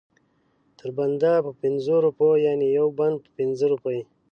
تر بنده په پنځو روپو یعنې یو بند په پنځه روپۍ.